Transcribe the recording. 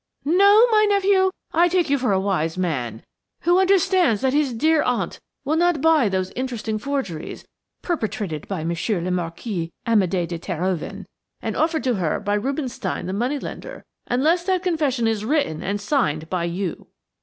"No, my nephew, I take you for a wise man–who understands that his dear aunt will not buy those interesting forgeries, perpetrated by Monsieur le Marquis Amédé de Terhoven, and offered to her by Rubinstein the money lender, unless that confession is written and signed by you.